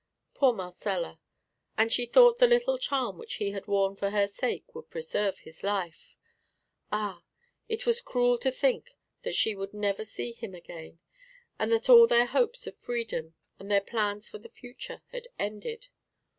Poor Marcella! and she thought the little charm which he had worn for her sake would preserve his life. Ah! it was cruel to think that she would never see him again, and that all their hopes of freedom and their plans for the future had ended.